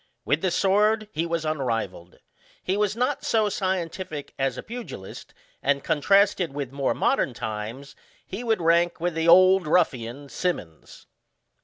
With the sword he was unrivalled. He was not so scientific as a pugilist ; and, contrasted with more modern times, he would rank with the Old Ruffia7f, Symonds.